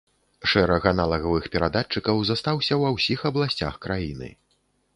Шэраг аналагавых перадатчыкаў застаўся ва ўсіх абласцях краіны.